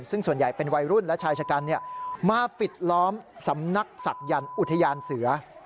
ซึ่งส่วนใหญ่เป็นวัยรุ่นและชายชะกันมาปิดล้อมสำนักศักยันต์อุทยานเสือ